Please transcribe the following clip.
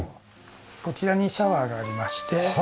こちらにシャワーがありまして。